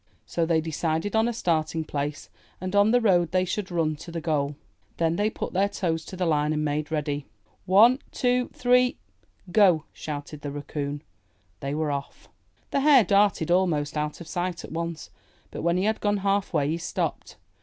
So they decided on a starting place and on the road they should run to the goal. Then they put their toes to the line and made ready. ''One, two, three, go!'' shouted the Raccoon. They were off! The Hare darted almost out of sight at once, but when he had gone half way, he stopped.